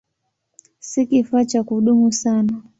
Si kifaa cha kudumu sana.